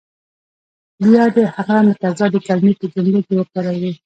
بیا دې هغه متضادې کلمې په جملو کې وکاروي.